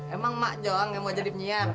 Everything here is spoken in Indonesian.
emang mak joang yang mau jadi penyiap